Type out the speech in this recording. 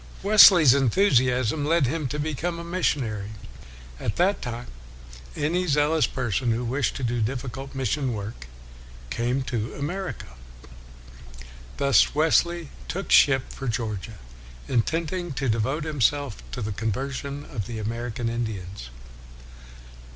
Wesley's enthusiasm led him to become a missionary. At that time, any zealous person who wished to do difficult mission work came to America. Thus Wesley took ship for Georgia, intending to devote him self to the conversion of the American Indians.